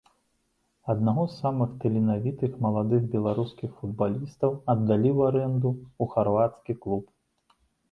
Аднаго з самых таленавітых маладых беларускіх футбалістаў аддалі ў арэнду ў харвацкі клуб.